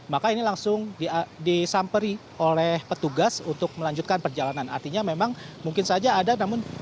maka ini langsung disamperi oleh petugas untuk melanjutkan perjalanan artinya memang mungkin saja ada namun